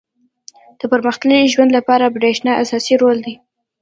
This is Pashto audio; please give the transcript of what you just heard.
• د پرمختللي ژوند لپاره برېښنا اساسي رول لري.